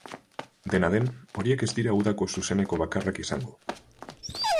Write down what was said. Dena den, horiek ez dira udako zuzeneko bakarrak izango.